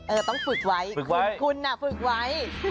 เออต้องฝึกไว้คุณฝึกไว้